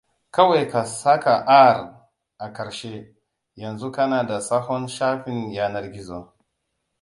Kawai ka saka 'R' a ƙarshe. Yanzu kana da sabon shafin yanar gizo!